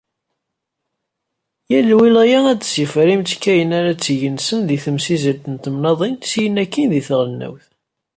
Yal lwilaya ad d-sifrer imttekkayen ara tt-igensen deg temsizzelt n temnaḍin syin akkin di tɣelnawt.